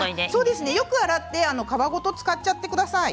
よく洗って皮ごと使っちゃってください。